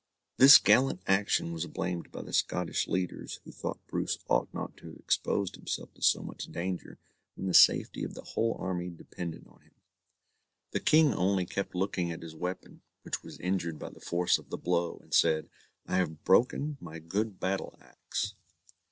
This gallant action was blamed by the Scottish leaders, who thought Bruce ought not to have exposed himself to so much danger, when the safety of the whole army depended on him. The King only kept looking at his weapon, which was injured by the force of the blow, and said, "I have broken my good battle axe."